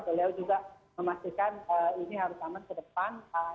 beliau juga memastikan ini harus aman ke depan